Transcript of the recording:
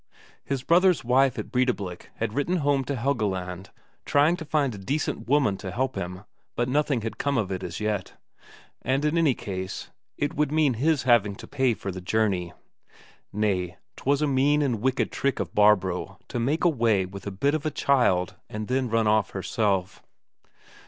His brother's wife, at Breidablik had written home to Helgeland trying to find a decent woman to help him, but nothing had come of it as yet. And in any case, it would mean his having to pay for the journey. Nay, 'twas a mean and wicked trick of Barbro to make away with the bit of a child and then run off herself.